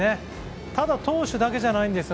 ただ、投手だけじゃないんです。